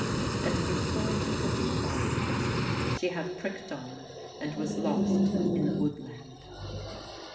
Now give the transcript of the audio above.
And before he could reply to this, she had pricked on and was lost in the woodland.